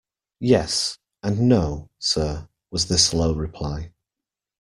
Yes, and no, sir, was the slow reply.